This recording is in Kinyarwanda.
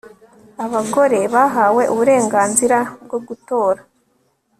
Abagore bahawe uburenganzira bwo gutora